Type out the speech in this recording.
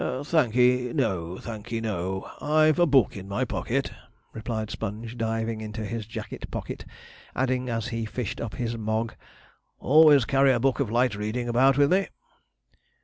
'Thank'ee, no; thank'ee, no. I've a book in my pocket,' replied Sponge, diving into his jacket pocket; adding, as he fished up his Mogg, 'always carry a book of light reading about with me.'